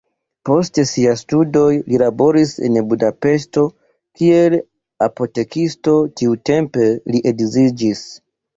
Post siaj studoj li laboris en Budapeŝto kiel apotekisto, tiutempe li edziĝis.